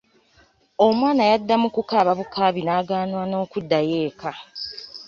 Omwana yadda mu kukaaba bukaabi n’agaana n'okuddayo eka.